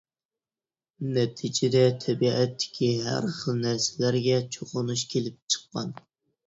نەتىجىدە تەبىئەتتىكى ھەر خىل نەرسىلەرگە چوقۇنۇش كېلىپ چىققان.